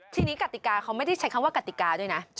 ทีนี้กติกาเขาไม่ได้ใช้คำว่ากติกาด้วยนะ